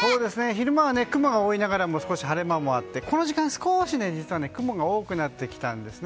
昼間は雲が多いながらも少し晴れ間もあってこの時間、少し雲が多くなってきたんです。